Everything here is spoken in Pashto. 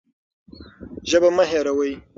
ژبه مه هېروئ.